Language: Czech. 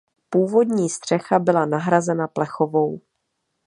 Původní střecha byla nahrazena plechovou.